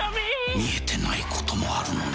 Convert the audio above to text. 見えてないこともあるのね。